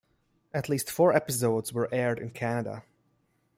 At least four episodes were aired in Canada.